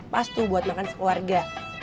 pas tuh buat makan sekeluarga